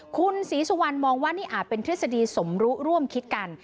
คุณศรีสุวรรณมองว่านี่อาจเป็นทฤษฎีสมรู้ร่วมคิดกัน